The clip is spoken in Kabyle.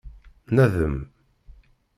Nadem.